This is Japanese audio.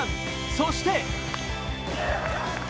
そして。